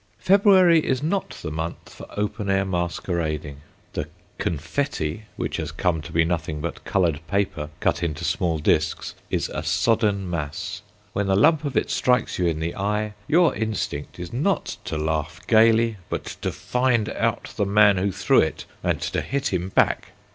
February is not the month for open air masquerading. The "confetti," which has come to be nothing but coloured paper cut into small discs, is a sodden mass. When a lump of it strikes you in the eye, your instinct is not to laugh gaily, but to find out the man who threw it and to hit him back.